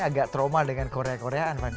agak trauma dengan korea koreaan fani